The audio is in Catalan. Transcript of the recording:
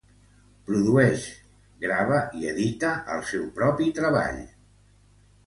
Produeix, grava i edita el seu propi treball.